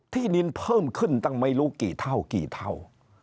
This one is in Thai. ที่ดินเพิ่มขึ้นตั้งไม่รู้กี่เท่า